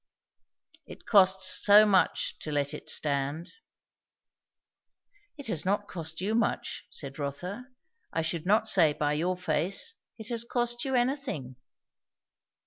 "It costs so much, to let it stand." "It has not cost you much," said Rotha. "I should not say, by your face, it has cost you anything."